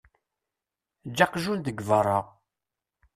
Eǧǧ aqjun deg beṛṛa.